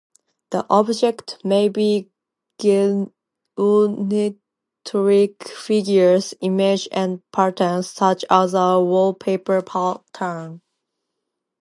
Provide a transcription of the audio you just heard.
The "objects" may be geometric figures, images, and patterns, such as a wallpaper pattern.